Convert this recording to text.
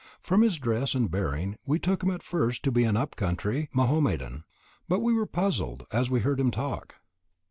From his dress and bearing we took him at first for an up country Mahomedan, but we were puzzled as we heard him talk.